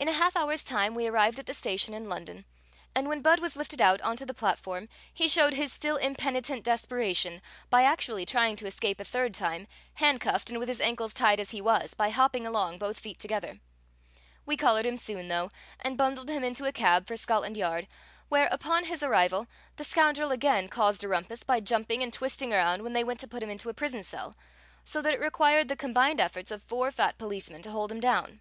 In a half hour's time we arrived at the station in London, and when Budd was lifted out onto the platform, he showed his still impenitent desperation by actually trying to escape a third time, handcuffed and with his ankles tied as he was, by hopping along, both feet together. We collared him soon, though, and bundled him into a cab for Scotland Yard, where, upon his arrival, the scoundrel again caused a rumpus by jumping and twisting around when they went to put him into a prison cell, so that it required the combined efforts of four fat policemen to hold him down.